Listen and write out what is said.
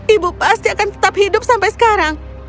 ibu pasti akan tetap hidup sampai sekarang